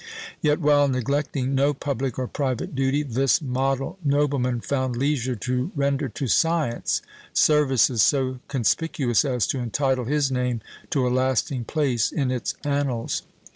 Yet, while neglecting no public or private duty, this model nobleman found leisure to render to science services so conspicuous as to entitle his name to a lasting place in its annals.